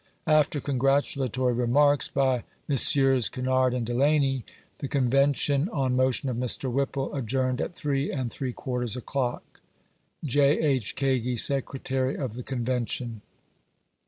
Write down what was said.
After congratulatory remarks by Messrs. Kinnard and Delany, the Con vention, on motion of Mr. Whipple, adjourned at three and three quarters o'clock. J. H. KAGI, Secretary of the. Convention.